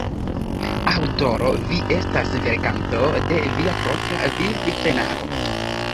Aŭtoro: Vi estas verkanto de via propra viv-scenaro.